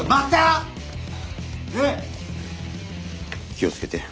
気を付けて。